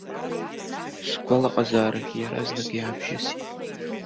Сгәалаҟазаарагьы иаразнак иаабжьысит.